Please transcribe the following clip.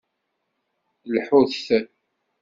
Lḥut.